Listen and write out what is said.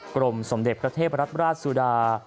กรมสมเด็จพระเทพรัฐราชสุดา